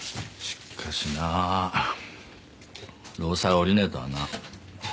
しっかしなぁ労災下りねえとはな。